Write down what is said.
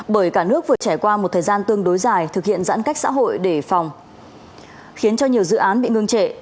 bởi cả nước vừa trải qua một thời gian tương đối dài thực hiện giãn cách xã hội để phòng khiến cho nhiều dự án bị ngưng trệ